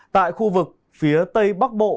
tại khu vực phía tây bắc bộ